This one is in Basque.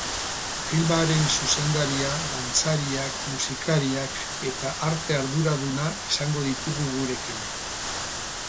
Filmaren zuzendaria, dantzariak, musikariak eta arte arduraduna izango ditugu gurekin.